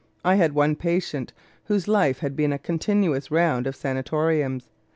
I had one patient whose life had been a continuous round of sanatoriums.